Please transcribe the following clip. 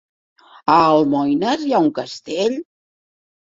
A Almoines hi ha un castell?